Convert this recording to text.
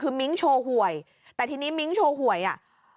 คือมิ้งโชว์หวยแต่ทีนี้มิ้งโชว์หวยอ่ะ